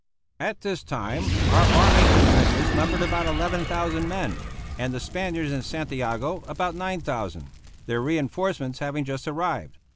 At this time our army in the trenches numbered about 11,000 men; and the Spaniards in Santiago about 9,000,* their reinforcements having just arrived.